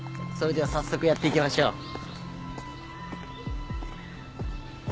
それでは早速やっていきましょう。